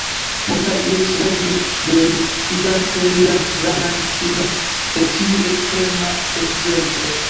Multaj iris lerni de li, vidante lian grandan fidon de tiu ekstrema ekzemplo.